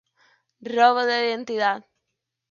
Robo de identidad